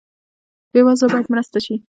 بې وزله باید مرسته شي